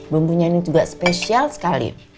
bumbunya ini juga spesial sekali